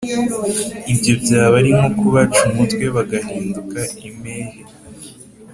Ibyo byaba ari nko kubaca umutwe bagahinduka impehe.